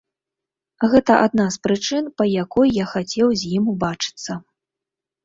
Гэта адна з прычын, па якой я хацеў з ім убачыцца.